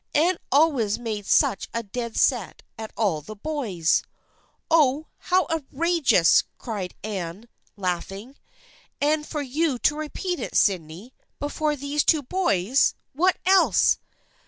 Anne always made such a dead set at all the boys !'"" Oh ! how outrageous !" cried Anne, laughing. " And for you to repeat it, Sydney, before these two boys ! What else